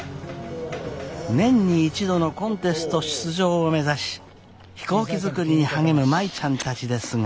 年に１度のコンテスト出場を目指し飛行機作りに励む舞ちゃんたちですが。